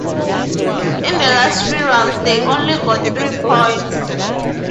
In the last three rounds they only got three points.